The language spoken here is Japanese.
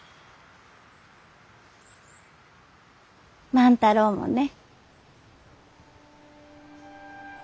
万太郎もね。